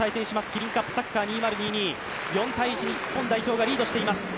キリンカップサッカー２０２２４−１日本代表がリードしています。